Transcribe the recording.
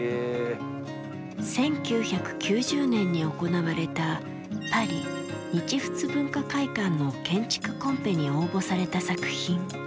１９９０年に行われた、パリ・日仏文化会館の建築コンペに応募された作品。